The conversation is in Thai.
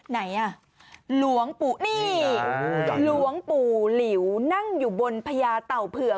ไหนอ่ะหลวงปู่นี่หลวงปู่หลิวนั่งอยู่บนพญาเต่าเผือก